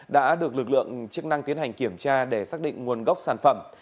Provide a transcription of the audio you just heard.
đã được lực lượng chức năng tiến hành kiểm tra để xác định nguồn gốc sản phẩm